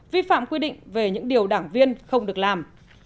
vi phạm quy định về những điều đảng viên không được làm